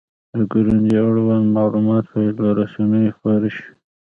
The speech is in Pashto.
د کروندې اړوند معلومات باید له رسنیو خپاره شي.